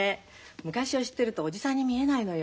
昔を知ってるとおじさんに見えないのよ。